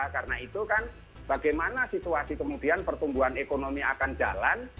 karena itu kan bagaimana situasi kemudian pertumbuhan ekonomi akan jalan